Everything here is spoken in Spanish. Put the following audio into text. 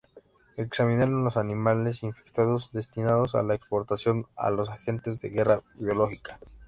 Examinaron los animales infectados destinados a la exportación a los agentes de guerra biológica.